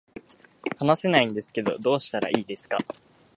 話せないんですけど、どうしたらいいですか